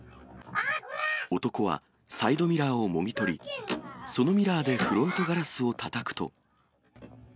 男はサイドミラーをもぎ取り、そのミラーでフロントガラスをたたくと。